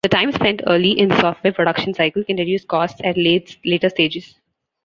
Time spent early in the software production cycle can reduce costs at later stages.